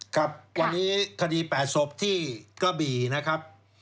ครับวันนี้คดี๘ศพที่กระบี่นะครับ